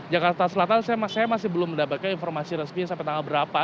jakarta selatan saya masih belum mendapatkan informasi resminya sampai tanggal berapa